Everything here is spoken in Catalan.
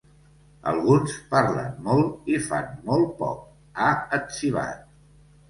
Alguns parlen molt i fan molt poc, ha etzibat.